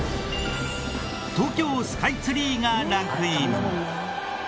東京スカイツリーがランクイン。